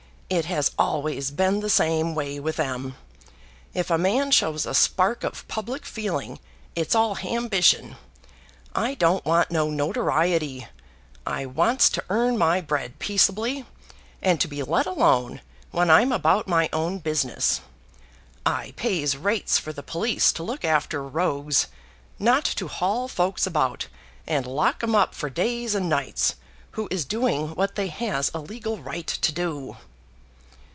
It has always been the same way with 'em. If a man shows a spark of public feeling, it's all hambition. I don't want no notoriety. I wants to earn my bread peaceable, and to be let alone when I'm about my own business. I pays rates for the police to look after rogues, not to haul folks about and lock 'em up for days and nights, who is doing what they has a legal right to do."